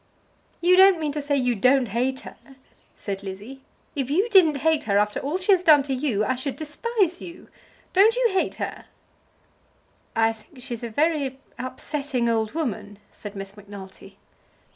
"You don't mean to say you don't hate her?" said Lizzie. "If you didn't hate her after all she has done to you, I should despise you. Don't you hate her?" "I think she's a very upsetting old woman," said Miss Macnulty.